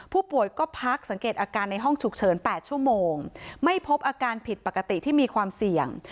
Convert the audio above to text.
ผู้ป่วยก็พักสังเกตอาการในห้องฉุกเฉิน๘ชั่วโมงไม่พบอาการผิดปกติที่มีความเสี่ยง